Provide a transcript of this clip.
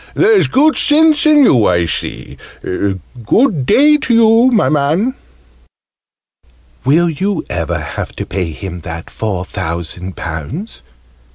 "There's good sense in you, I see. Good day to you, my man!" "Will you ever have to pay him that four thousand pounds?"